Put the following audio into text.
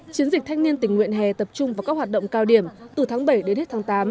chiến dịch thanh niên tình nguyện hè tập trung vào các hoạt động cao điểm từ tháng bảy đến hết tháng tám